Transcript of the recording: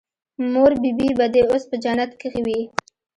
مور بي بي به دې اوس په جنت کښې وي.